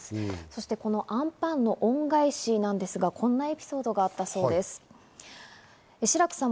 そしてこのあんパンの恩返しなんですが、こんなエピソードがあったそうです。